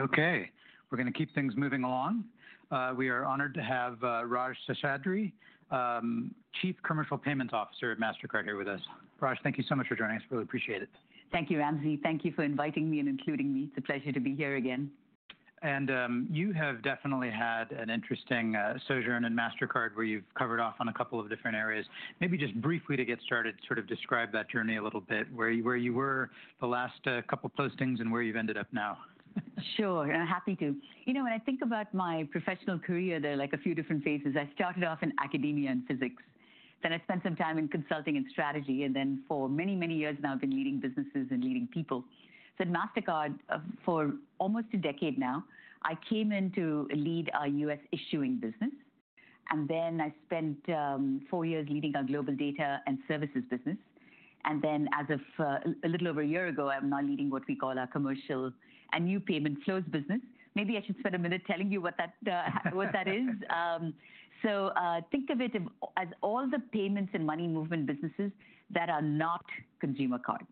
Okay, we're going to keep things moving along. We are honored to have Raj Seshadri, Chief Commercial Payments Officer at Mastercard here with us. Raj, thank you so much for joining us. Really appreciate it. Thank you, Ramsey. Thank you for inviting me and including me. It's a pleasure to be here again. You have definitely had an interesting sojourn in Mastercard, where you've covered off on a couple of different areas. Maybe just briefly, to get started, sort of describe that journey a little bit. Where you were the last couple of postings, and where you've ended up now. Sure, I'm happy to. You know, when I think about my professional career, there are like a few different phases. I started off in academia and physics. Then I spent some time in consulting and strategy. And then for many, many years now, I've been leading businesses and leading people. At Mastercard, for almost a decade now, I came in to lead our U.S. issuing business. Then I spent four years leading our global data and services business. And then, as of a little over a year ago, I'm now leading what we call our commercial and new payment flows business. Maybe I should spend a minute telling you what that is. So, think of it as all the payments and money movement businesses that are not consumer card.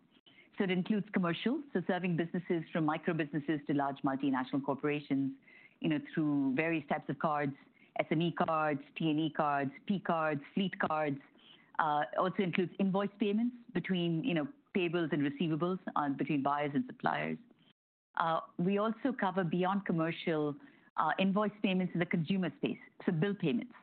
It includes commercial, so serving businesses from microbusinesses to large multinational corporations, you know, through various types of cards: SME cards, T&E cards, P-cards, fleet cards. It also includes invoice payments between, you know, payables and receivables between buyers and suppliers. We also cover beyond commercial, invoice payments in the consumer space. For example, bill payments.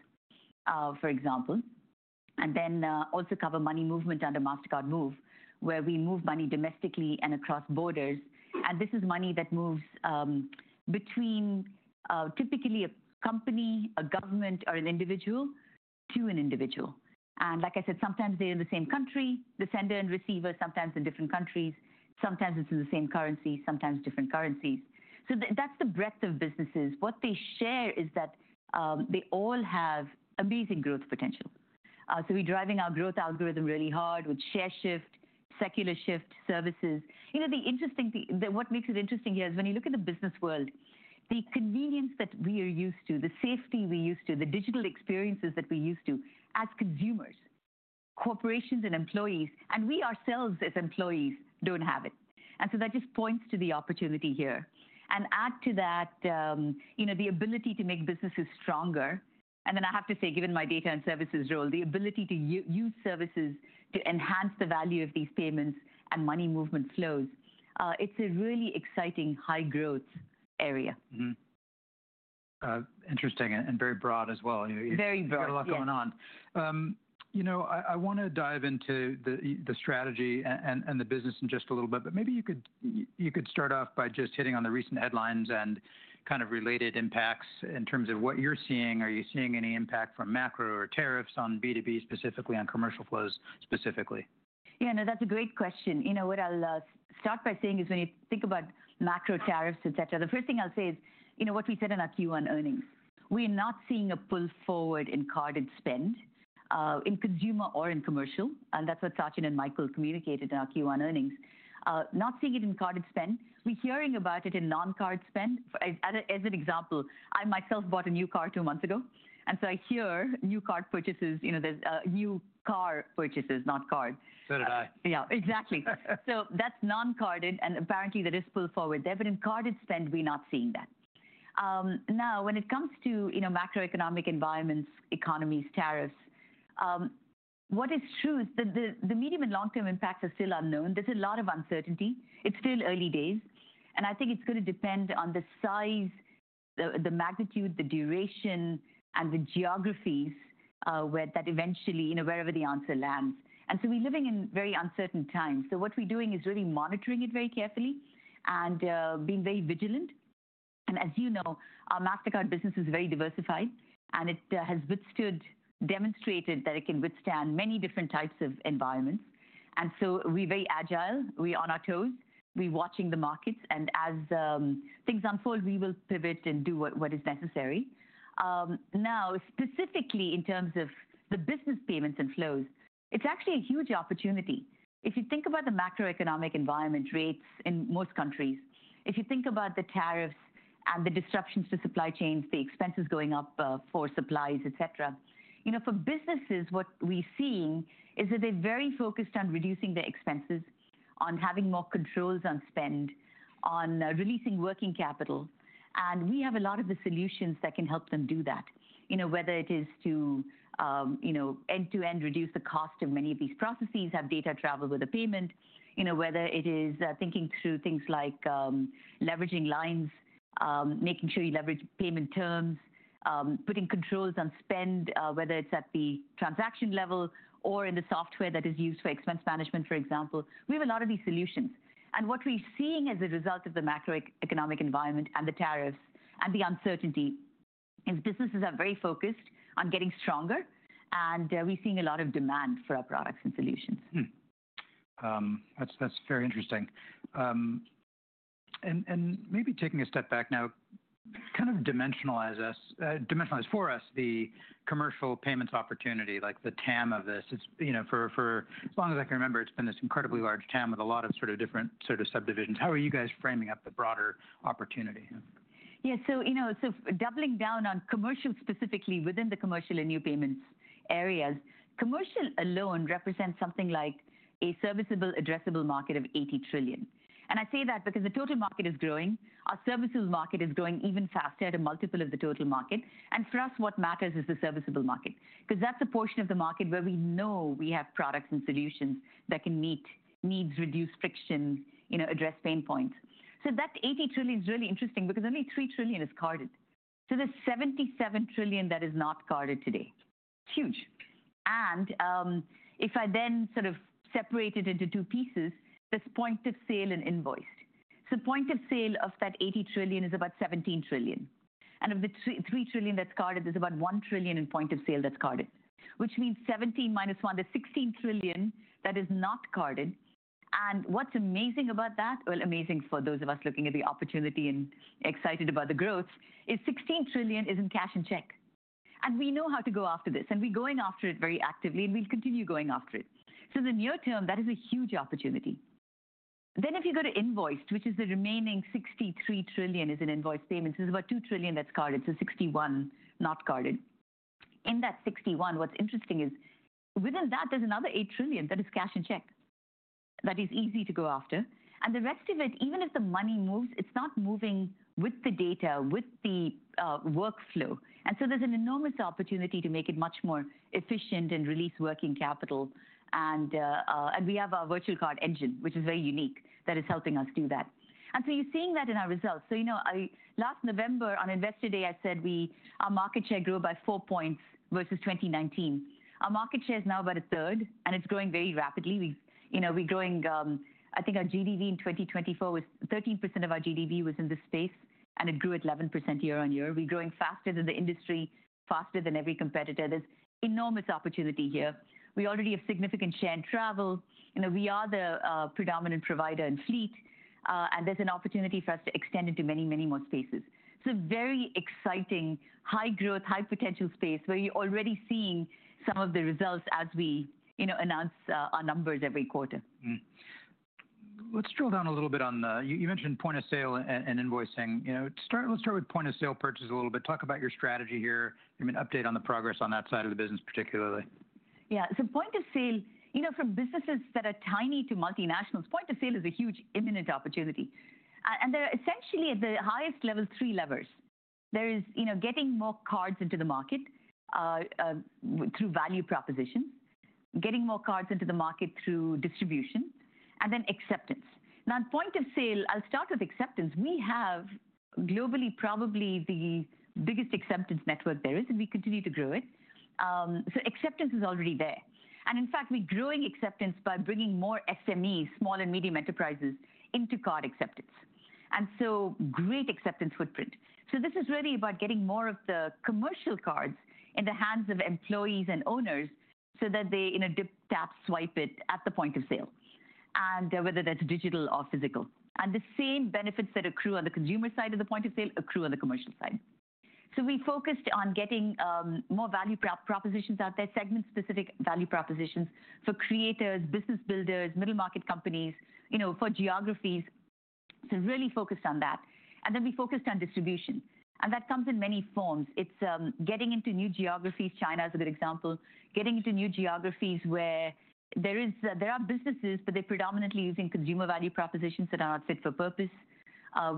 We also cover money movement under Mastercard Move, where we move money domestically and across borders. This is money that moves between, typically, a company, a government, or an individual to an individual. Like I said, sometimes they're in the same country, the sender and receiver, sometimes in different countries. Sometimes it's in the same currency, sometimes different currencies. That's the breadth of businesses. What they share is that they all have amazing growth potential. We're driving our growth algorithm really hard with share shift, secular shift, services. You know, the interesting thing that what makes it interesting here is when you look at the business world, the convenience that we are used to, the safety we're used to, the digital experiences that we're used to as consumers, corporations and employees, and we ourselves as employees don't have it. That just points to the opportunity here. Add to that, you know, the ability to make businesses stronger. I have to say, given my data and services role, the ability to use services to enhance the value of these payments and money movement flows, it's a really exciting high growth area. Mm-hmm. Interesting and very broad as well. Very broad. You've got a lot going on. You know, I want to dive into the strategy and the business in just a little bit. Maybe you could start off by just hitting on the recent headlines and kind of related impacts in terms of what you're seeing. Are you seeing any impact from macro or tariffs on B2B, specifically on commercial flows specifically? Yeah, no, that's a great question. You know, what I'll start by saying is when you think about macro tariffs, etc., the first thing I'll say is, you know, what we said in our Q1 earnings, we're not seeing a pull forward in carded spend, in consumer or in commercial. And that's what Sachin and Michael communicated in our Q1 earnings. Not seeing it in carded spend. We're hearing about it in non-card spend. As an example, I myself bought a new car two months ago. You know, I hear new car purchases, you know, there's new car purchases, not card. I did. Yeah, exactly. That's non-carded, and apparently there is pull forward. There have been carded spend, we're not seeing that. Now, when it comes to, you know, macroeconomic environments, economies, tariffs, what is true is that the medium and long-term impacts are still unknown. There's a lot of uncertainty. It's still early days. I think it's going to depend on the size, the magnitude, the duration, and the geographies, where that eventually, you know, wherever the answer lands. We're living in very uncertain times. What we're doing is really monitoring it very carefully and being very vigilant. As you know, our Mastercard business is very diversified, and it has withstood, demonstrated that it can withstand many different types of environments. We're very agile. We're on our toes. We're watching the markets. As things unfold, we will pivot and do what is necessary. Now, specifically in terms of the business payments and flows, it's actually a huge opportunity. If you think about the macroeconomic environment, rates in most countries, if you think about the tariffs and the disruptions to supply chains, the expenses going up for supplies, etc., you know, for businesses, what we're seeing is that they're very focused on reducing their expenses, on having more controls on spend, on releasing working capital. And we have a lot of the solutions that can help them do that. You know, whether it is to, you know, end-to-end reduce the cost of many of these processes, have data travel with a payment, you know, whether it is, thinking through things like, leveraging lines, making sure you leverage payment terms, putting controls on spend, whether it's at the transaction level or in the software that is used for expense management, for example. We have a lot of these solutions. What we're seeing as a result of the macroeconomic environment and the tariffs and the uncertainty is businesses are very focused on getting stronger, and we're seeing a lot of demand for our products and solutions. That's very interesting. Maybe taking a step back now, kind of dimensionalize for us the commercial payments opportunity, like the TAM of this. It's, you know, for as long as I can remember, it's been this incredibly large TAM with a lot of sort of different sort of subdivisions. How are you guys framing up the broader opportunity? Yeah, so, you know, doubling down on commercial specifically within the commercial and new payments areas, commercial alone represents something like a serviceable, addressable market of $80 trillion. I say that because the total market is growing. Our services market is growing even faster at a multiple of the total market. For us, what matters is the serviceable market, because that's a portion of the market where we know we have products and solutions that can meet needs, reduce friction, you know, address pain points. That $80 trillion is really interesting because only $3 trillion is carded. There's $77 trillion that is not carded today. Huge. If I then sort of separate it into two pieces, there's point of sale and invoiced. Point of sale of $38 trillion is about $17 trillion. Of the $3 trillion that's carded, there's about $1 trillion in point of sale that's carded, which means 17 minus 1, there's $16 trillion that is not carded. What's amazing about that, amazing for those of us looking at the opportunity and excited about the growth, is $16 trillion is in cash and check. We know how to go after this. We're going after it very actively, and we'll continue going after it. In the near term, that is a huge opportunity. If you go to invoiced, which is the remaining $63 trillion in invoiced payments, there's about $2 trillion that's carded. $61 trillion is not carded. In that $61 trillion, what's interesting is within that, there's another $8 trillion that is cash and check that is easy to go after. The rest of it, even if the money moves, it's not moving with the data, with the workflow. There is an enormous opportunity to make it much more efficient and release working capital. We have our virtual card engine, which is very unique, that is helping us do that. You are seeing that in our results. Last November on Investor Day, I said our market share grew by 4 percentage points versus 2019. Our market share is now about a third, and it's growing very rapidly. We are growing, I think our GDV in 2024 was 13% of our GDV was in this space, and it grew 11% year on year. We are growing faster than the industry, faster than every competitor. There is enormous opportunity here. We already have significant share in travel. We are the predominant provider in fleet. There is an opportunity for us to extend into many, many more spaces. Very exciting, high growth, high potential space where you're already seeing some of the results as we, you know, announce our numbers every quarter. Let's drill down a little bit on, you mentioned point of sale and invoicing. You know, let's start with point of sale purchase a little bit. Talk about your strategy here. Give me an update on the progress on that side of the business particularly. Yeah, so point of sale, you know, from businesses that are tiny to multinationals, point of sale is a huge imminent opportunity. And there are essentially at the highest level, three levers. There is, you know, getting more cards into the market, through value propositions, getting more cards into the market through distribution, and then acceptance. Now, in point of sale, I'll start with acceptance. We have globally probably the biggest acceptance network there is, and we continue to grow it. Acceptance is already there. In fact, we're growing acceptance by bringing more SMEs, small and medium enterprises, into card acceptance. Great acceptance footprint. This is really about getting more of the commercial cards in the hands of employees and owners so that they, you know, dip, tap, swipe it at the point of sale. Whether that's digital or physical. The same benefits that accrue on the consumer side of the point of sale accrue on the commercial side. We focused on getting more value propositions out there, segment-specific value propositions for creators, business builders, middle market companies, you know, for geographies. Really focused on that. We focused on distribution, and that comes in many forms. It's getting into new geographies. China is a good example. Getting into new geographies where there are businesses, but they're predominantly using consumer value propositions that are not fit for purpose.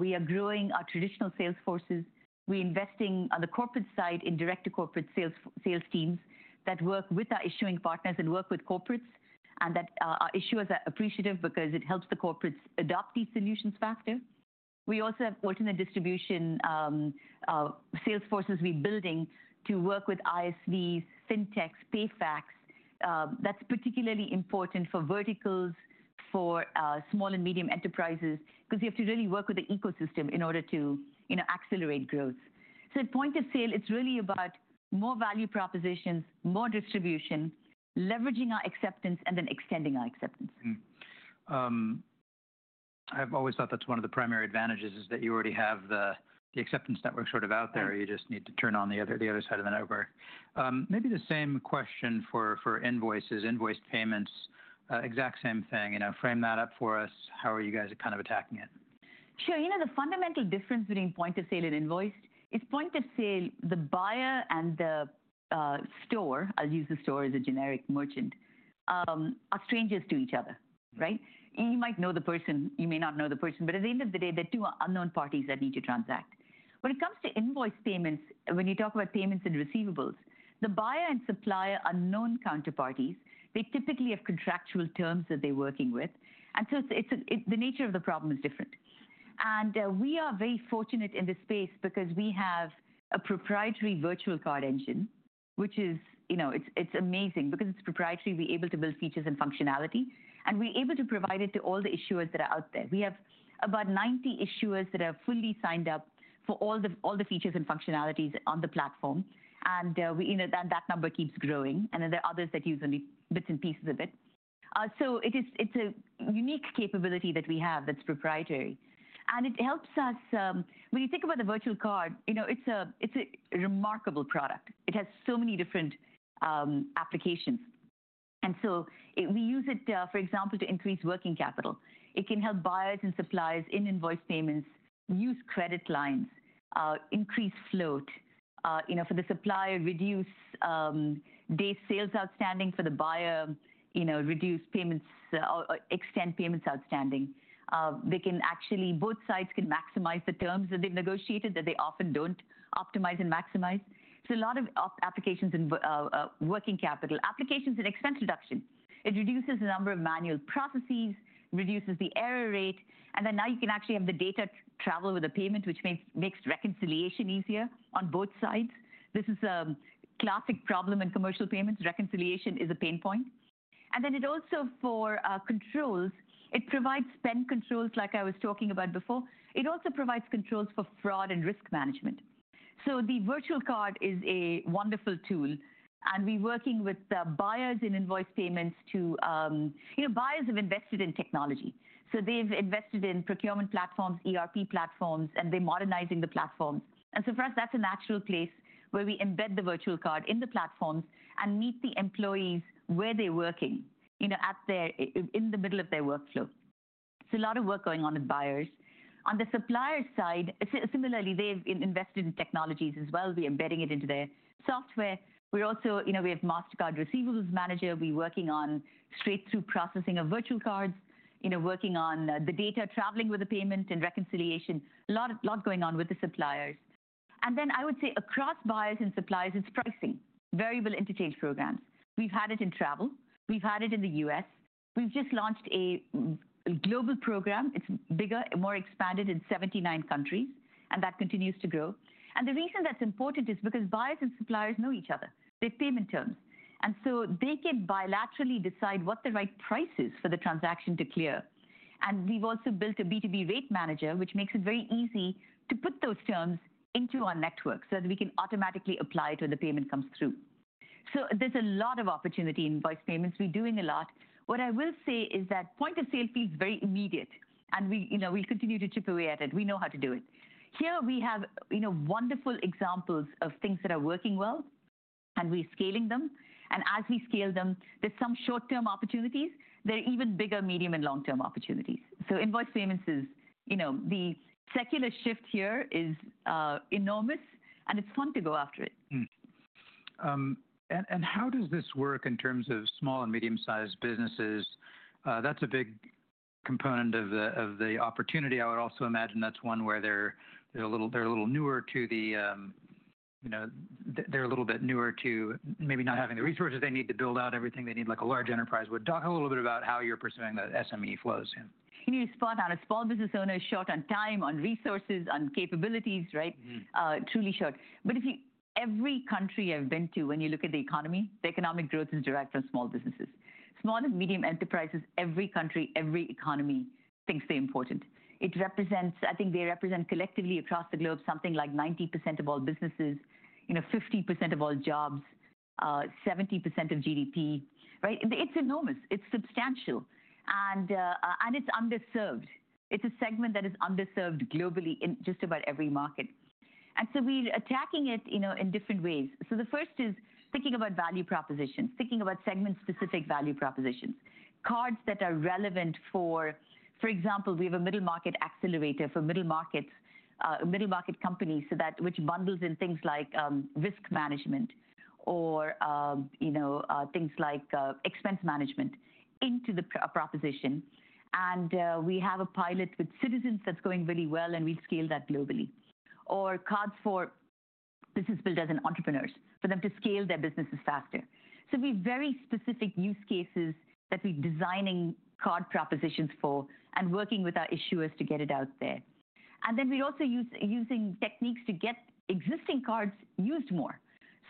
We are growing our traditional sales forces. We're investing on the corporate side in direct-to-corporate sales teams that work with our issuing partners and work with corporates. Our issuers are appreciative because it helps the corporates adopt these solutions faster. We also have alternate distribution, sales forces we're building to work with ISVs, FinTechs, PayFacs. That's particularly important for verticals, for small and medium enterprises, because you have to really work with the ecosystem in order to, you know, accelerate growth. At point of sale, it's really about more value propositions, more distribution, leveraging our acceptance, and then extending our acceptance. I've always thought that's one of the primary advantages is that you already have the acceptance network sort of out there. You just need to turn on the other, the other side of the network. Maybe the same question for invoices, invoiced payments, exact same thing. You know, frame that up for us. How are you guys kind of attacking it? Sure. You know, the fundamental difference between point of sale and invoiced is point of sale, the buyer and the store, I'll use the store as a generic merchant, are strangers to each other, right? You might know the person, you may not know the person, but at the end of the day, they're two unknown parties that need to transact. When it comes to invoiced payments, when you talk about payments and receivables, the buyer and supplier are known counterparties. They typically have contractual terms that they're working with. It's the nature of the problem is different. We are very fortunate in this space because we have a proprietary virtual card engine, which is, you know, it's amazing because it's proprietary. We're able to build features and functionality, and we're able to provide it to all the issuers that are out there. We have about 90 issuers that are fully signed up for all the, all the features and functionalities on the platform. We, you know, and that number keeps growing. There are others that use only bits and pieces of it. It is, it's a unique capability that we have that's proprietary. It helps us, when you think about the virtual card, you know, it's a, it's a remarkable product. It has so many different, applications. We use it, for example, to increase working capital. It can help buyers and suppliers in invoiced payments use credit lines, increase float, you know, for the supplier, reduce day sales outstanding for the buyer, you know, reduce payments or extend payments outstanding. They can actually, both sides can maximize the terms that they've negotiated that they often don't optimize and maximize. A lot of applications in working capital, applications in expense reduction. It reduces the number of manual processes, reduces the error rate. Now you can actually have the data travel with a payment, which makes reconciliation easier on both sides. This is a classic problem in commercial payments. Reconciliation is a pain point. It also, for controls, provides spend controls like I was talking about before. It also provides controls for fraud and risk management. The virtual card is a wonderful tool. We're working with the buyers in invoiced payments to, you know, buyers have invested in technology. They've invested in procurement platforms, ERP platforms, and they're modernizing the platforms. For us, that's a natural place where we embed the virtual card in the platforms and meet the employees where they're working, you know, at their, in the middle of their workflow. A lot of work going on with buyers. On the supplier side, similarly, they've invested in technologies as well. We're embedding it into their software. We're also, you know, we have Mastercard Receivables Manager. We're working on straight-through processing of virtual cards, you know, working on the data traveling with the payment and reconciliation. A lot, a lot going on with the suppliers. I would say across buyers and suppliers, it's pricing, variable interchange programs. We've had it in travel. We've had it in the U.S.. We've just launched a global program. It's bigger, more expanded in 79 countries, and that continues to grow. The reason that's important is because buyers and suppliers know each other. They have payment terms. They can bilaterally decide what the right price is for the transaction to clear. We've also built a B2B rate manager, which makes it very easy to put those terms into our network so that we can automatically apply it when the payment comes through. There's a lot of opportunity in invoiced payments. We're doing a lot. What I will say is that point of sale feels very immediate, and we, you know, we continue to chip away at it. We know how to do it. Here we have, you know, wonderful examples of things that are working well, and we're scaling them. As we scale them, there's some short-term opportunities. There are even bigger, medium, and long-term opportunities. Invoiced payments is, you know, the secular shift here is enormous, and it's fun to go after it. How does this work in terms of small and medium-sized businesses? That's a big component of the opportunity. I would also imagine that's one where they're a little newer to maybe not having the resources they need to build out everything they need, like a large enterprise would. Talk a little bit about how you're pursuing the SME flows. Can you respond on a small business owner short on time, on resources, on capabilities, right? Truly short. If you, every country I've been to, when you look at the economy, the economic growth is derived from small businesses. Small and medium enterprises, every country, every economy thinks they're important. It represents, I think they represent collectively across the globe something like 90% of all businesses, you know, 50% of all jobs, 70% of GDP, right? It's enormous. It's substantial. It's underserved. It's a segment that is underserved globally in just about every market. We're attacking it, you know, in different ways. The first is thinking about value propositions, thinking about segment-specific value propositions, cards that are relevant for, for example, we have a middle market accelerator for middle market companies, which bundles in things like risk management or, you know, things like expense management into the proposition. We have a pilot with Citizens that's going really well, and we've scaled that globally. Cards for business builders and entrepreneurs for them to scale their businesses faster. We have very specific use cases that we're designing card propositions for and working with our issuers to get it out there. We're also using techniques to get existing cards used more.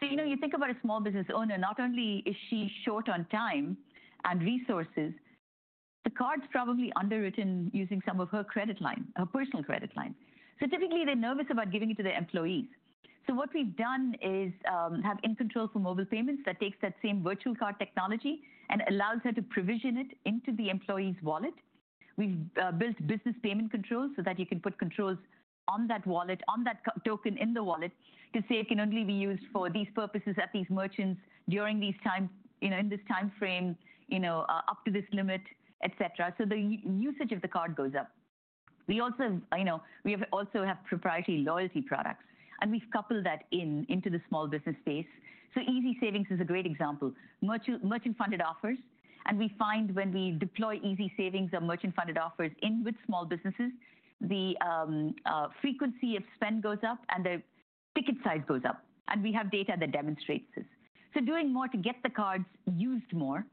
You know, you think about a small business owner, not only is she short on time and resources, the card's probably underwritten using some of her credit line, her personal credit line. Typically they're nervous about giving it to their employees. What we've done is have in-control for mobile payments that takes that same virtual card technology and allows her to provision it into the employee's wallet. We've built business payment controls so that you can put controls on that wallet, on that token in the wallet to say it can only be used for these purposes at these merchants during these times, you know, in this time frame, you know, up to this limit, et cetera. The usage of the card goes up. We also, you know, we also have proprietary loyalty products, and we've coupled that into the small business space. Easy Savings is a great example. Merchant-funded offers. We find when we deploy Easy Savings or merchant-funded offers in with small businesses, the frequency of spend goes up and the ticket size goes up. We have data that demonstrates this. Doing more to get the cards used more.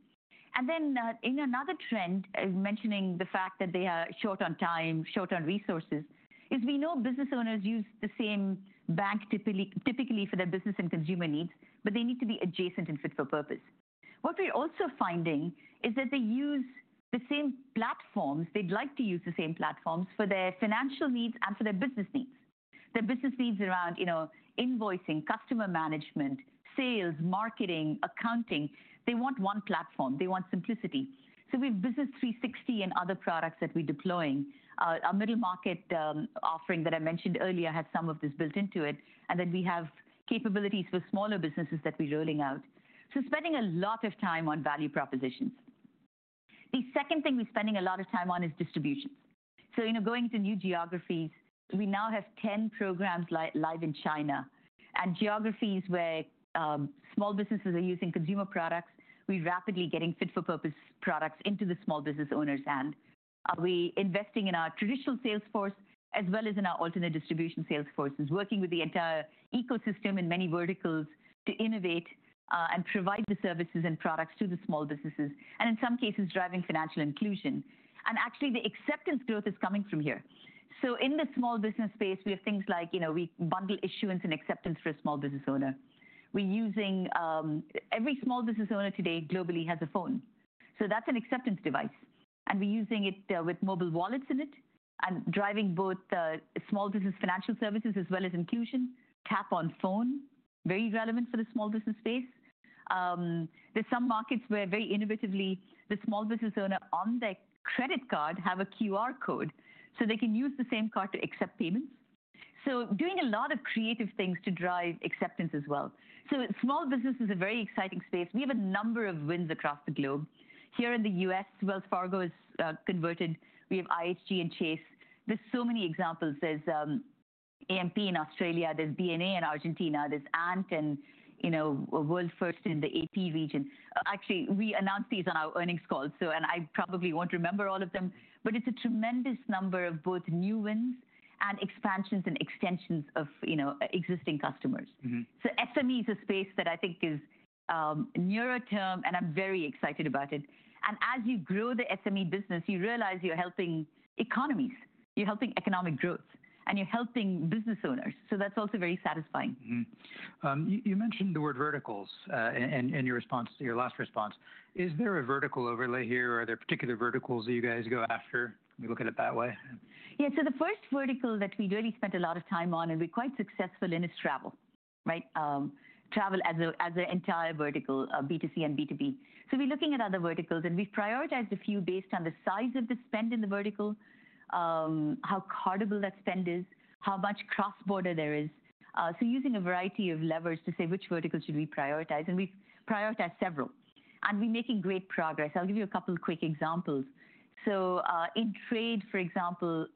In another trend, mentioning the fact that they are short on time, short on resources, we know business owners use the same bank typically, typically for their business and consumer needs, but they need to be adjacent and fit for purpose. What we're also finding is that they use the same platforms. They'd like to use the same platforms for their financial needs and for their business needs. Their business needs around, you know, invoicing, customer management, sales, marketing, accounting. They want one platform. They want simplicity. We have Business 360 and other products that we're deploying. Our middle market offering that I mentioned earlier has some of this built into it. Then we have capabilities for smaller businesses that we're rolling out. Spending a lot of time on value propositions. The second thing we're spending a lot of time on is distributions. You know, going to new geographies, we now have 10 programs live in China. In geographies where small businesses are using consumer products, we're rapidly getting fit-for-purpose products into the small business owners' hands. We're investing in our traditional sales force as well as in our alternate distribution sales forces, working with the entire ecosystem in many verticals to innovate and provide the services and products to the small businesses. In some cases, driving financial inclusion. Actually, the acceptance growth is coming from here. In the small business space, we have things like, you know, we bundle issuance and acceptance for a small business owner. We're using, every small business owner today globally has a phone. So that's an acceptance device. And we're using it, with mobile wallets in it and driving both, small business financial services as well as inclusion. Tap on phone, very relevant for the small business space. There's some markets where very innovatively, the small business owner on their credit card has a QR code so they can use the same card to accept payments. So doing a lot of creative things to drive acceptance as well. Small business is a very exciting space. We have a number of wins across the globe. Here in the US, Wells Fargo is, converted. We have IHG and Chase. There's so many examples. There's, AMP in Australia. There's BNA in Argentina. There's Ant and, you know, World First in the AP region. Actually, we announced these on our earnings call, so, and I probably won't remember all of them, but it's a tremendous number of both new wins and expansions and extensions of, you know, existing customers. Mm-hmm. SME is a space that I think is, nearer term, and I'm very excited about it. As you grow the SME business, you realize you're helping economies, you're helping economic growth, and you're helping business owners. That's also very satisfying. Mm-hmm. You mentioned the word verticals in your last response. Is there a vertical overlay here? Are there particular verticals that you guys go after? Can we look at it that way? Yeah. The first vertical that we really spent a lot of time on, and we're quite successful in, is travel, right? Travel as an entire vertical, B2C and B2B. We're looking at other verticals, and we've prioritized a few based on the size of the spend in the vertical, how credible that spend is, how much cross-border there is. Using a variety of levers to say which verticals should we prioritize. We've prioritized several, and we're making great progress. I'll give you a couple of quick examples. In trade, for example,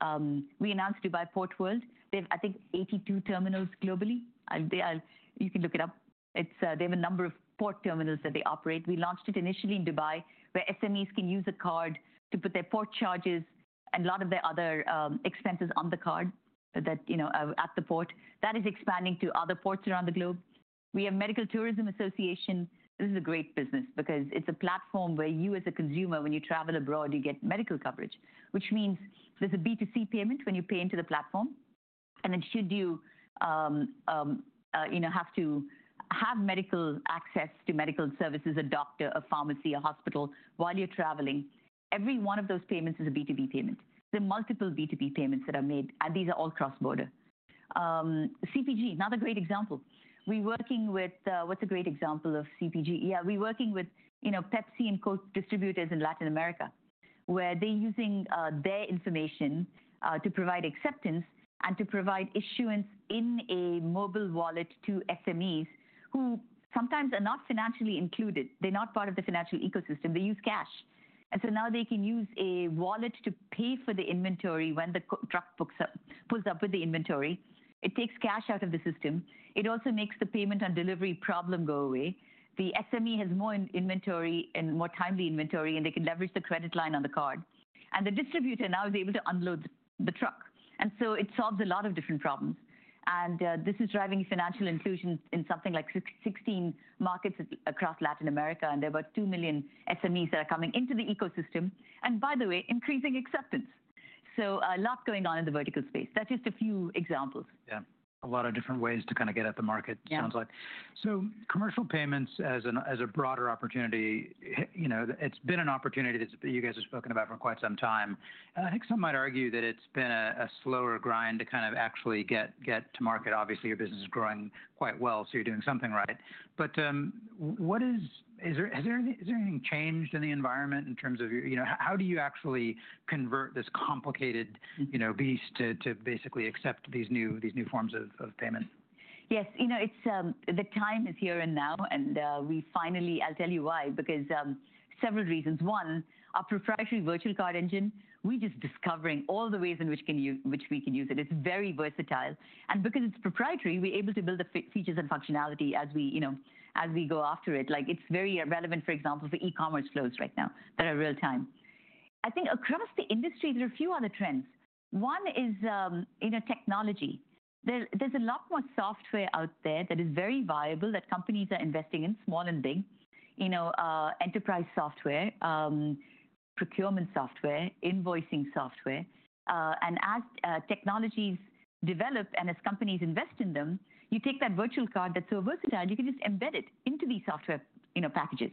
we announced DP World. They've, I think, 82 terminals globally. You can look it up. They have a number of port terminals that they operate. We launched it initially in Dubai, where SMEs can use a card to put their port charges and a lot of their other expenses on the card that, you know, at the port. That is expanding to other ports around the globe. We have Medical Tourism Association. This is a great business because it's a platform where you, as a consumer, when you travel abroad, you get medical coverage, which means there's a B2C payment when you pay into the platform. It should do, you know, have to have medical access to medical services, a doctor, a pharmacy, a hospital while you're traveling. Every one of those payments is a B2B payment. There are multiple B2B payments that are made, and these are all cross-border. CPG, another great example. We're working with, what's a great example of CPG? Yeah. We're working with, you know, Pepsi and Coke distributors in Latin America, where they're using their information to provide acceptance and to provide issuance in a mobile wallet to SMEs who sometimes are not financially included. They're not part of the financial ecosystem. They use cash. Now they can use a wallet to pay for the inventory when the truck pulls up with the inventory. It takes cash out of the system. It also makes the payment on delivery problem go away. The SME has more inventory and more timely inventory, and they can leverage the credit line on the card. The distributor now is able to unload the truck. It solves a lot of different problems. This is driving financial inclusion in something like 16 markets across Latin America, and there are about 2 million SMEs that are coming into the ecosystem and, by the way, increasing acceptance. A lot going on in the vertical space. That's just a few examples. Yeah. A lot of different ways to kind of get at the market, it sounds like. Yeah. Commercial payments as a, as a broader opportunity, you know, it's been an opportunity that you guys have spoken about for quite some time. I think some might argue that it's been a, a slower grind to kind of actually get, get to market. Obviously, your business is growing quite well, so you're doing something right. What is, is there, is there anything, is there anything changed in the environment in terms of your, you know, how do you actually convert this complicated, you know, beast to, to basically accept these new, these new forms of, of payment? Yes. You know, it's, the time is here and now, and we finally, I'll tell you why, because, several reasons. One, our proprietary virtual card engine, we're just discovering all the ways in which we can use it. It's very versatile. And because it's proprietary, we're able to build the features and functionality as we, you know, as we go after it. Like, it's very relevant, for example, for e-commerce flows right now that are real-time. I think across the industry, there are a few other trends. One is, you know, technology. There's, there's a lot more software out there that is very viable that companies are investing in, small and big, you know, enterprise software, procurement software, invoicing software. As technologies develop and as companies invest in them, you take that virtual card that's so versatile, you can just embed it into these software, you know, packages.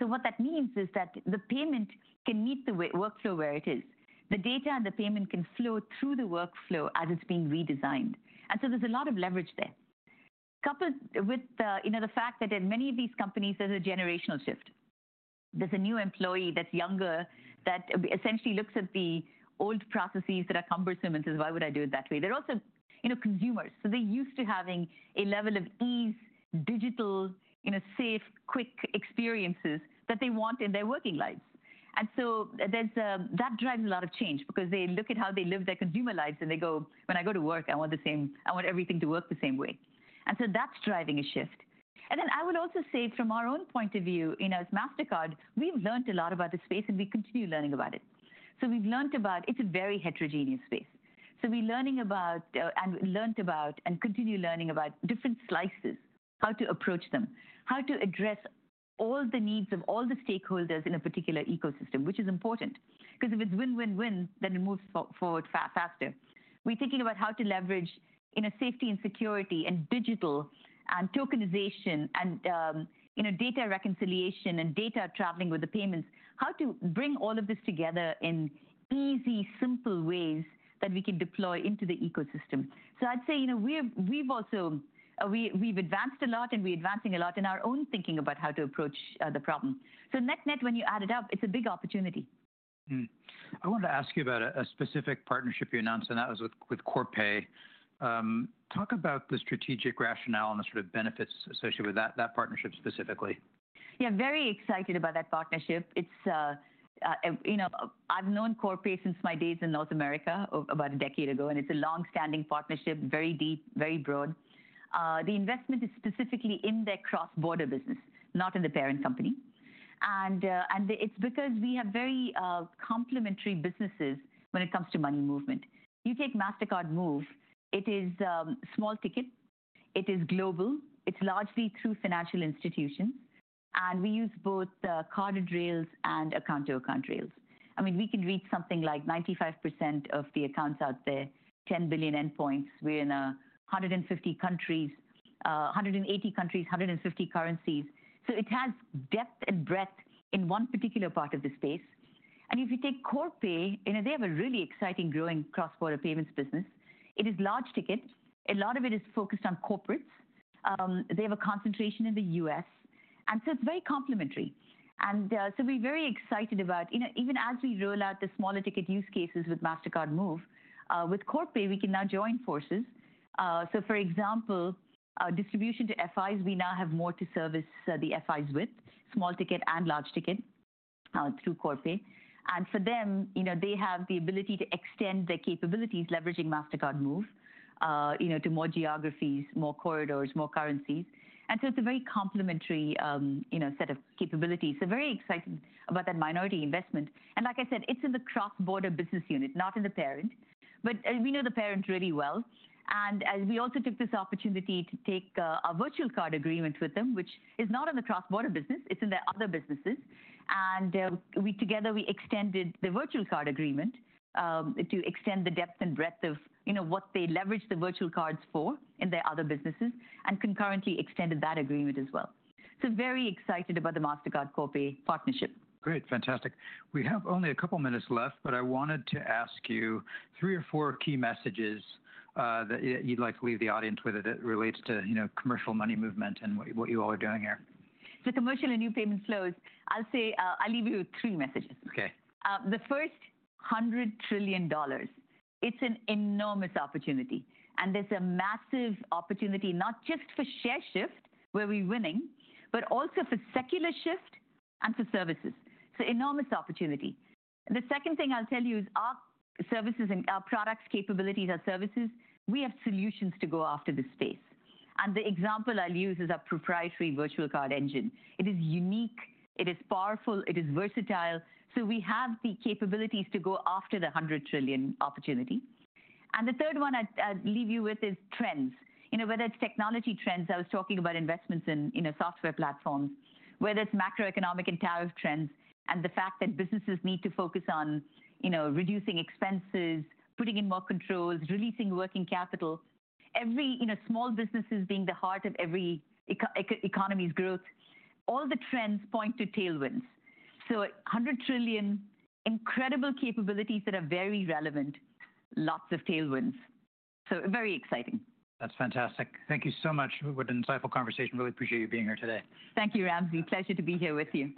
What that means is that the payment can meet the workflow where it is. The data and the payment can flow through the workflow as it's being redesigned. There is a lot of leverage there. Coupled with, you know, the fact that in many of these companies, there's a generational shift. There's a new employee that's younger that essentially looks at the old processes that are cumbersome and says, "Why would I do it that way?" They're also, you know, consumers. So they're used to having a level of ease, digital, you know, safe, quick experiences that they want in their working lives. That drives a lot of change because they look at how they live their consumer lives and they go, "When I go to work, I want the same, I want everything to work the same way." That is driving a shift. I would also say from our own point of view, you know, as Mastercard, we've learned a lot about the space and we continue learning about it. We've learned about, it's a very heterogeneous space. We're learning about, and learned about and continue learning about different slices, how to approach them, how to address all the needs of all the stakeholders in a particular ecosystem, which is important because if it's win, win, win, then it moves forward faster. We're thinking about how to leverage, you know, safety and security and digital and tokenization and, you know, data reconciliation and data traveling with the payments, how to bring all of this together in easy, simple ways that we can deploy into the ecosystem. I'd say, you know, we've also, we've advanced a lot and we're advancing a lot in our own thinking about how to approach the problem. Net-net, when you add it up, it's a big opportunity. I wanted to ask you about a specific partnership you announced, and that was with Corpay. Talk about the strategic rationale and the sort of benefits associated with that partnership specifically. Yeah. Very excited about that partnership. It's, you know, I've known Corpay since my days in North America about a decade ago, and it's a long-standing partnership, very deep, very broad. The investment is specifically in their cross-border business, not in the parent company. And it's because we have very, complementary businesses when it comes to money movement. You take Mastercard Move, it is, small ticket, it is global, it's largely through financial institutions, and we use both, carded rails and account-to-account rails. I mean, we can reach something like 95% of the accounts out there, 10 billion endpoints. We're in 150 countries, 180 countries, 150 currencies. It has depth and breadth in one particular part of the space. If you take Corpay, you know, they have a really exciting growing cross-border payments business. It is large ticket. A lot of it is focused on corporates. They have a concentration in the US. It is very complementary. We are very excited about, you know, even as we roll out the smaller ticket use cases with Mastercard Move, with Corpay, we can now join forces. For example, distribution to FIs, we now have more to service the FIs with, small ticket and large ticket, through Corpay. For them, you know, they have the ability to extend their capabilities leveraging Mastercard Move, you know, to more geographies, more corridors, more currencies. It is a very complementary, you know, set of capabilities. Very excited about that minority investment. Like I said, it is in the cross-border business unit, not in the parent, but we know the parent really well. We also took this opportunity to take a virtual card agreement with them, which is not in the cross-border business. It's in their other businesses. We together, we extended the virtual card agreement, to extend the depth and breadth of, you know, what they leverage the virtual cards for in their other businesses and concurrently extended that agreement as well. Very excited about the Mastercard-Corpay partnership. Great. Fantastic. We have only a couple of minutes left, but I wanted to ask you three or four key messages that you'd like to leave the audience with that relates to, you know, commercial money movement and what you all are doing here. The commercial and new payment flows. I'll say, I'll leave you with three messages. Okay. The first, $100 trillion. It's an enormous opportunity. There's a massive opportunity not just for share shift, where we're winning, but also for secular shift and for services. Enormous opportunity. The second thing I'll tell you is our services and our products, capabilities, our services, we have solutions to go after this space. The example I'll use is our proprietary virtual card engine. It is unique. It is powerful. It is versatile. We have the capabilities to go after the $100 trillion opportunity. The third one I'd leave you with is trends. You know, whether it's technology trends, I was talking about investments in, you know, software platforms, whether it's macroeconomic and tariff trends, and the fact that businesses need to focus on, you know, reducing expenses, putting in more controls, releasing working capital. Every, you know, small businesses being the heart of every economy's growth. All the trends point to tailwinds. $100 trillion, incredible capabilities that are very relevant, lots of tailwinds. Very exciting. That's fantastic. Thank you so much. What an insightful conversation. Really appreciate you being here today. Thank you, Ramsey. Pleasure to be here with you.